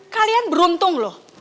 kalian beruntung loh